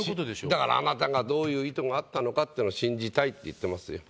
だからあなたがどういう意図があったのかっていうの信じたいって言ってますよ。